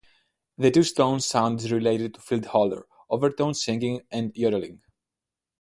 The two-tone sound is related to field holler, overtone singing, and yodeling.